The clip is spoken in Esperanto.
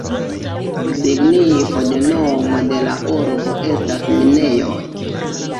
Signifo de nomo de la urbo estas "minejoj".